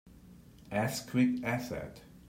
As quick as that?